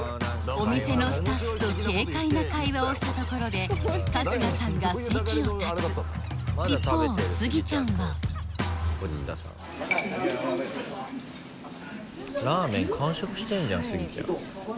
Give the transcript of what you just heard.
お店のスタッフと軽快な会話をしたところで春日さんが席を立つ一方スギちゃんはラーメン完食してるじゃんスギちゃん。